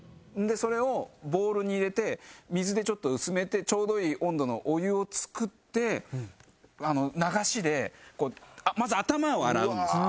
それをボウルに入れて水でちょっと薄めてちょうどいい温度のお湯を作って流しでまず頭を洗うんです。